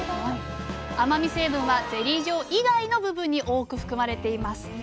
甘み成分はゼリー状以外の部分に多く含まれています。